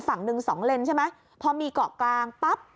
ฝั่งหนึ่งสองเลนใช่ไหมพอมีเกาะกลางปั๊บ